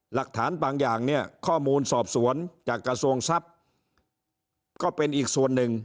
หลักฐานบางอย่างเนี่ยข้อมูลสอบสวนจากกระทรวงทรัพย์ก็เป็นอีกส่วนหนึ่ง